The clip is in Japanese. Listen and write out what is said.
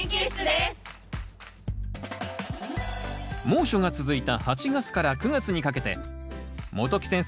猛暑が続いた８月から９月にかけて元木先生